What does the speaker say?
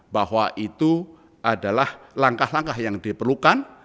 bahwa itu adalah langkah langkah yang diperlukan